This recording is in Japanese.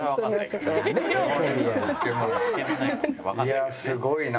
いやあすごいな。